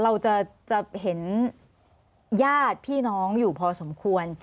เราจะเห็นญาติพี่น้องอยู่พอสมควร